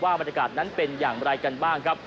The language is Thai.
บรรยากาศนั้นเป็นอย่างไรกันบ้างครับ